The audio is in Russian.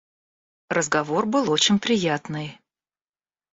Разговор был очень приятный.